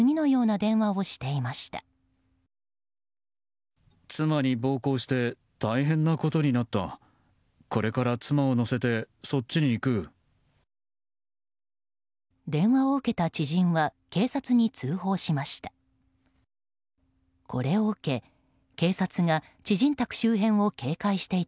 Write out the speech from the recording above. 電話を受けた知人は警察に通報しました。